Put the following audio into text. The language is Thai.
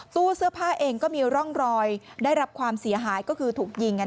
ตู้เสื้อผ้าเองก็มีร่องรอยได้รับความเสียหายก็คือถูกยิง